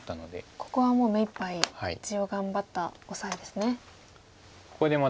ここはもう目いっぱい地を頑張ったオサエですね。